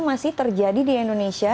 masih terjadi di indonesia